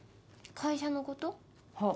会社のこと？